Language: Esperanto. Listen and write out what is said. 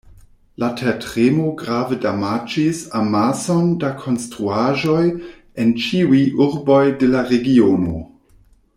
La tertremo grave damaĝis amason da konstruaĵoj en ĉiuj urboj de la regiono.